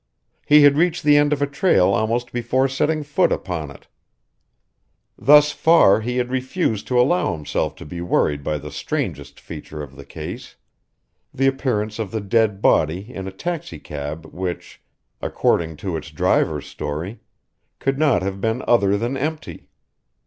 He had reached the end of a trail almost before setting foot upon it. Thus far he had refused to allow himself to be worried by the strangest feature of the case the appearance of the dead body in a taxicab which, according to its driver's story, could not have been other than empty.